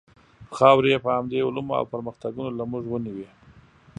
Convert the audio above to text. خاورې یې په همدې علومو او پرمختګونو له موږ ونیوې.